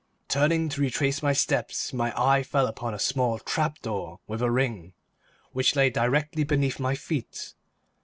Turning to retrace my steps, my eye fell upon a small trap door with a ring, which lay directly beneath my feet.